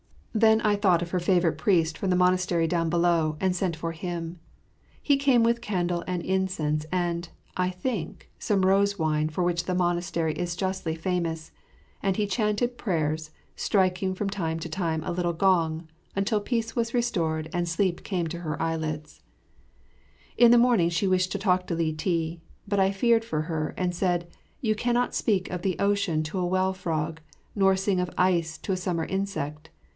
Then I thought of her favourite priest from the monastery down below, and sent for him. He came with candle and incense and, I think, some rose wine for which the monastery is justly famous; and he chanted prayers, striking from time to time a little gong, until peace was restored and sleep came to her eyelids. [Illustration: Mylady07.] In the morning she wished to talk to Li ti; but I feared for her, and I said, "You cannot speak of the ocean to a well frog, nor sing of ice to a summer insect.